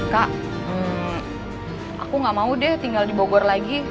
kak aku gak mau deh tinggal di bogor lagi